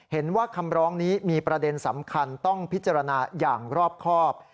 เห็นว่าคำร้องนี้มีประเด็นสำคัญต้องพิจารณาอย่างรอบครอบ